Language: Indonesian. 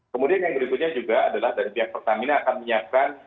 kemudian yang berikutnya juga adalah dari pihak pertamina akan menyiapkan